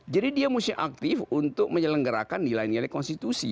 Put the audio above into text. jadi dia mesti aktif untuk menyalahgerakan nilainya dari konstitusi